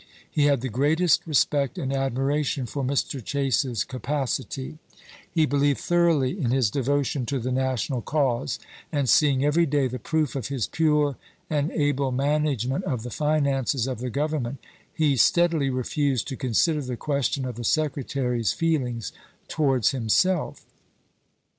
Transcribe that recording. He had the greatest respect and admiration for Mr. Chase's capacity; SEWARD AND CHASE 263 he believed thoroughly in his devotion to the na chap. xii. tional cause, and seeing every day the proof of his pure and able management of the finances of the Government he steadily refused to consider the question of the Secretary's feelings towards himself.